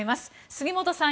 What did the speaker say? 杉本さん